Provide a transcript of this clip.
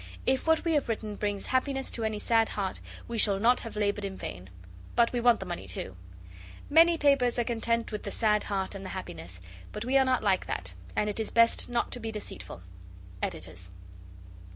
If what we have written brings happiness to any sad heart we shall not have laboured in vain. But we want the money too. Many papers are content with the sad heart and the happiness, but we are not like that, and it is best not to be deceitful. EDITORS.